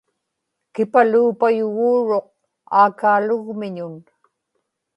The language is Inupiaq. kipaluupayuguuruq aakaalugmiñun